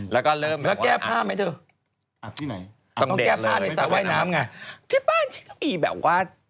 แล้วก็เริ่มแบบว่า